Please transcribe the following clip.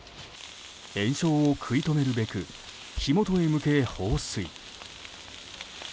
延焼を食い止めるべく火元へ向け放水。